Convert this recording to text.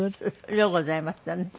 ようございましたね。